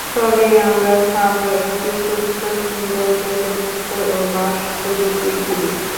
তবেই আমরা পাবো একটি সুস্থ, সুন্দর, দূষণমুক্ত ও বাসযোগ্য পৃথিবী।